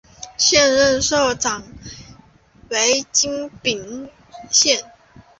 现任社长为金炳镐。